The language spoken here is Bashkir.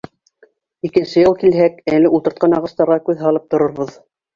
Икенсе йыл килһәк, әле ултыртҡан ағастарға күҙ һалып торорбоҙ.